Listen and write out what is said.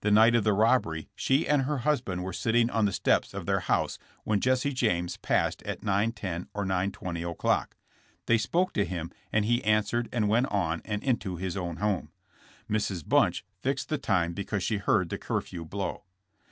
The night of the robbery she and her husband were sitting on the steps of their house when Jesse James passed at 9:10 or 9:20 o'clock. They spoke to him and he answered and went on and into his own home. Mrs. Bunch fixed the time because she heard the curfew blow.